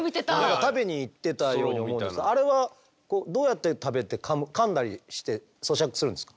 食べにいってたようにあれはどうやって食べてかんだりしてそしゃくするんですか？